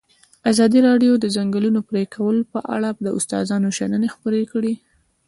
ازادي راډیو د د ځنګلونو پرېکول په اړه د استادانو شننې خپرې کړي.